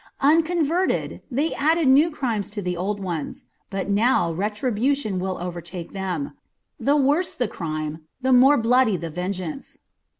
Unconverted, they added new crimes to the old ones, but now retribution will overtake them. The worse the crime, the more bloody the vengeance.